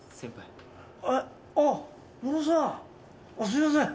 すみません